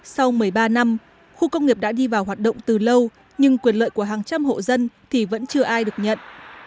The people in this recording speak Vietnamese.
sau một mươi ba năm khu công nghiệp đã đi vào hoạt động từ lâu nhưng quyền lợi của hàng trăm hộ dân thì vẫn chưa ai được nhận